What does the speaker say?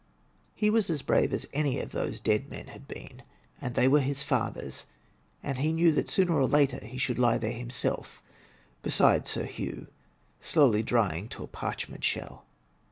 •••••• He was as brave as any of those dead men had been, and they were his fathers, and he knew that sooner or later he should lie there himself, beside Sir Hugh, slowly di3ang to a parchment shell.